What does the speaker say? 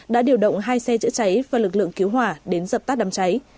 đã điều động hai xe chữa cháy và lực lượng cứu hỏa đến dập tắt đám cháy